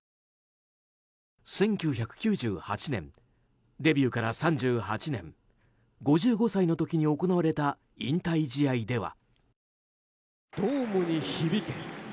１９９８年デビューから３８年５５歳の時に行われた引退試合では。